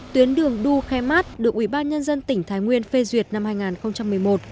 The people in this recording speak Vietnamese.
tuyến đường đu khe mát được ubnd tỉnh thái nguyên phê duyệt năm hai nghìn một mươi một